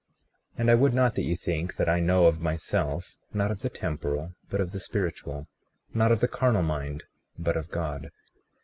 36:4 And I would not that ye think that I know of myself—not of the temporal but of the spiritual, not of the carnal mind but of God.